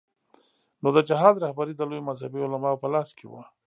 نو د جهاد رهبري د لویو مذهبي علماوو په لاس کې وه.